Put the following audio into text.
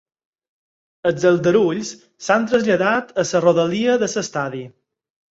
Els aldarulls s’han traslladat a la rodalia de l’estadi.